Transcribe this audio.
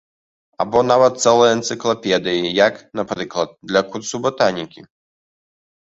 Або нават цэлыя энцыклапедыі, як, напрыклад, для курсу батанікі.